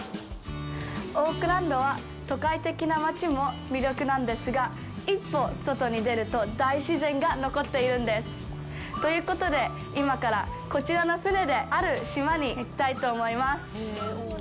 オークランドは、都会的な街も魅力なんですが、一歩外に出ると、大自然が残っているんです。ということで、今からこちらの船で、ある島に行きたいと思います。